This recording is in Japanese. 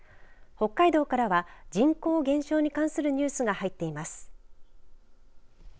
北海道からは人口減少に関するニュースが入っています。